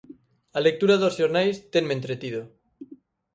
A lectura dos xornais tenme entretido.